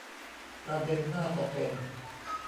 ประเด็นน่าจะเป็น